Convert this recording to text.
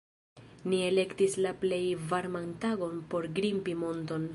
Ni elektis la plej varman tagon por grimpi monton